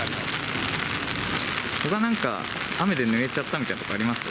ほか、なんか、雨でぬれちゃったみたいなところ、あります？